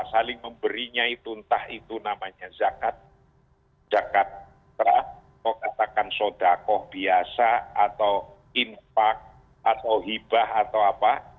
saling memberinya itu entah itu namanya zakat zakat atau katakan sodakoh biasa atau infak atau hibah atau apa